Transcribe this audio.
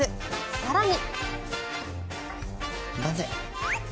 更に。